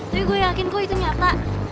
tapi gue yakin kok itu nyata